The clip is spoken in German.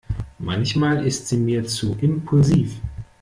Manchmal ist sie mir zu impulsiv.